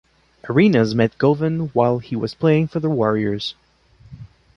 Arenas met Govan while he was playing for the Warriors.